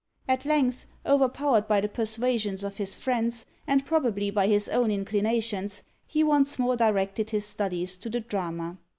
At length, overpowered by the persuasions of his friends, and probably by his own inclinations, he once more directed his studies to the drama.